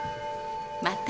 また